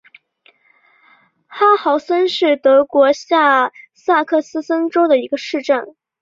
哈豪森是德国下萨克森州的一个市镇。